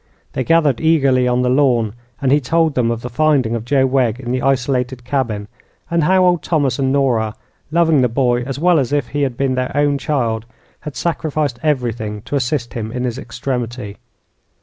They gathered eagerly on the lawn, and he told them of the finding of Joe Wegg in the isolated cabin, and how old Thomas and Nora, loving the boy as well as if he had been their own child, had sacrificed everything to assist him in his extremity.